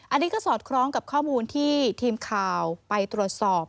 อันนี้ก็สอดคล้องกับข้อมูลที่ทีมข่าวไปตรวจสอบ